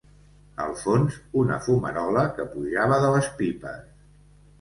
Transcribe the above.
Al fons, una fumarola que pujava de les pipes